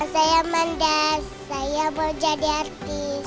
saya mandas saya mau jadi artis